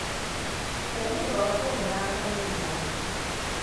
Yamukuba akakono n'akamenya.